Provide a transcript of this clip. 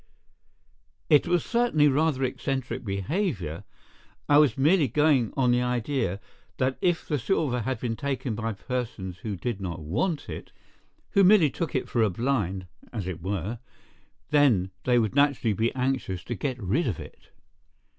"It was certainly rather eccentric behaviour. I was merely going on the idea that if the silver had been taken by persons who did not want it—who merely took it for a blind, as it were—then they would naturally be anxious to get rid of it."